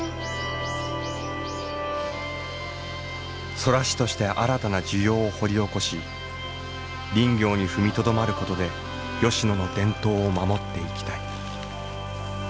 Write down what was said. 空師として新たな需要を掘り起こし林業に踏みとどまることで吉野の伝統を守っていきたい。